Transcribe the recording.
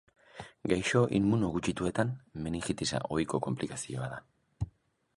Gaixo immunogutxituetan meningitisa ohiko konplikazioa da.